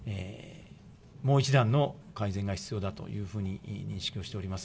もう一段の改善が必要だというふうに認識をしております。